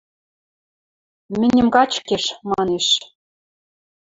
Мӹньӹм качкеш... – манеш.